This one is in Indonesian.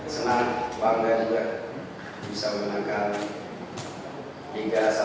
senang bangga juga bisa menangkan liga satu